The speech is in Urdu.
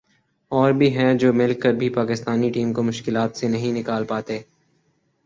اور بھی ہیں جو مل کر بھی پاکستانی ٹیم کو مشکلات سے نہیں نکال پاتے ۔